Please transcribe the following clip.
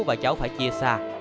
và cháu phải chia xa